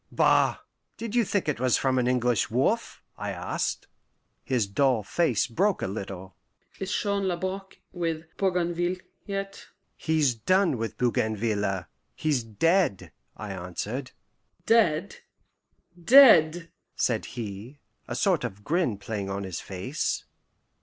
"Bah! Did you think it was from an English wolf?" I asked. His dull face broke a little. "Is Jean Labrouk with Bougainville yet?" "He's done with Bougainville; he's dead," I answered. "Dead! dead!" said he, a sort of grin playing on his face.